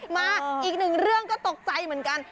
มาอีกหนึ่งเรื่องก็ตกใจเหมือนกัน